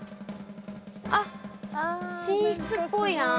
あっ寝室っぽいな。